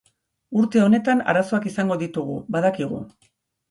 Urte honetan arazoak izango ditugu, badakigu.